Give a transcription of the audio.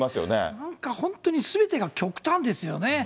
なんか本当にすべてが極端ですよね。